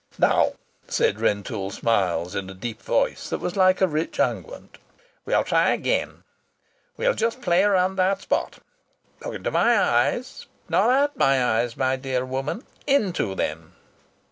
"Now," said Rentoul Smiles, in a deep voice that was like a rich unguent, "we'll try again. We'll just play around that spot. Look into my eyes. Not at my eyes, my dear woman, into them!